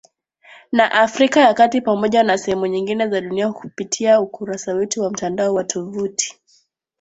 na Afrika ya kati Pamoja na sehemu nyingine za dunia kupitia ukurasa wetu wa mtandao wa wavuti